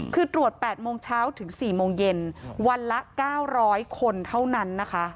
คือตรวจ๘โมงเช้าถึง๔โมงเย็นวันละ๙๐๐คนเท่านั้นนะคะ